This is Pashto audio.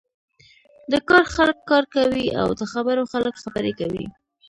د کار خلک کار کوی او د خبرو خلک خبرې کوی.